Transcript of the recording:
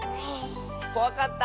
こわかった？